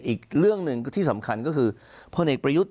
อีกเรื่องหนึ่งที่สำคัญก็คือพลเอกประยุทธ์